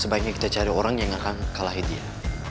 sebaiknya kita cari orang yang akan kalahi dia